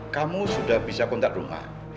kamu sudah bisa kontak rumah